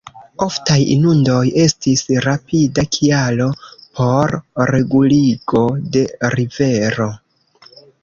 Oftaj inundoj estis rapida kialo por reguligo de rivero.